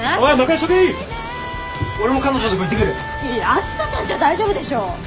秋香ちゃんちは大丈夫でしょ！